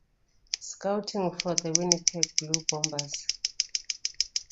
Scouting for the Winnipeg Blue Bombers.